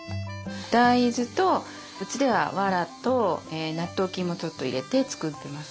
大豆とうちではわらと納豆菌もちょっと入れて作ってます。